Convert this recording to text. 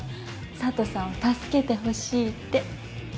佐都さんを助けてほしいって。